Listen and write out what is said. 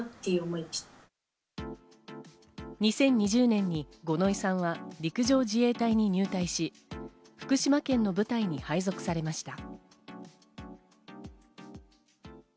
２０２０年に五ノ井さんは陸上自衛隊に入隊し、福島県の部隊に配属されました。